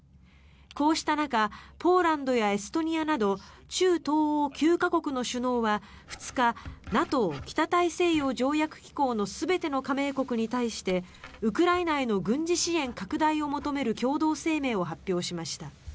こうした中ポーランドやエストニアなど中東欧９か国の首脳は２日ＮＡＴＯ・北大西洋条約機構の全ての加盟国に対してウクライナへの軍事支援拡大を求める共同声明を発表しました。